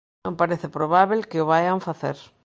Non parece probábel que o vaian facer.